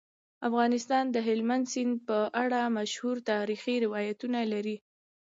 افغانستان د هلمند سیند په اړه مشهور تاریخی روایتونه لري.